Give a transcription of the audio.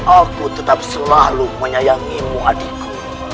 aku tetap selalu menyayangi mu adikku